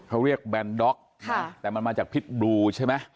เขาเรียกแบนด๊อกแต่มันมาจากพิษบลูใช่ไหม